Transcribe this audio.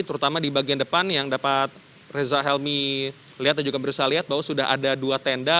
terutama di bagian depan yang dapat reza helmi lihat dan juga berusaha lihat bahwa sudah ada dua tenda